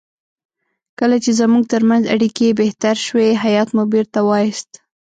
کله چې زموږ ترمنځ اړیکې بهتر شوې هیات مو بیرته وایست.